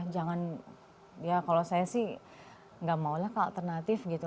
jangan ya kalau saya sih nggak maulah ke alternatif gitu